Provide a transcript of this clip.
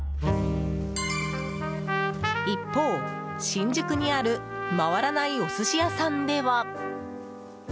一方、新宿にある回らないお寿司屋さんでは。